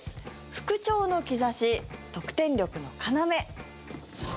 復調の兆し、得点力の要。